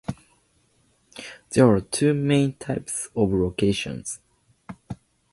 There are two main types of locations.